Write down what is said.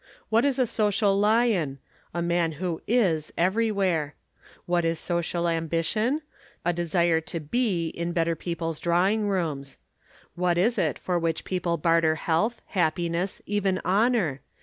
What is a social lion? A man who is everywhere. What is social ambition? A desire to be in better people's drawing rooms. What is it for which people barter health, happiness, even honor?